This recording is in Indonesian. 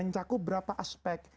mencakup berapa aspek